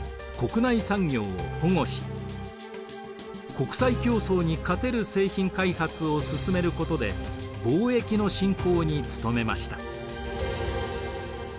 国際競争に勝てる製品開発を進めることで貿易の振興に努めました。